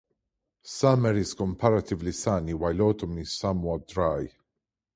Summer is comparatively sunny, while autumn is somewhat dry.